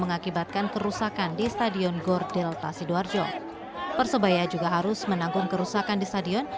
mengakibatkan kerusakan di stadion gor delta sidoarjo persebaya juga harus menanggung kerusakan di stadion